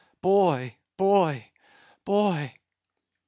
—boy! boy! boy!